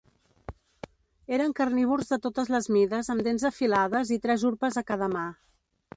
Eren carnívors de totes les mides amb dents afilades i tres urpes a cada mà.